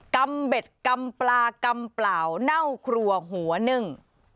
ำเบ็ดกำปลากำเปล่าเน่าครัวหัวนึ่ง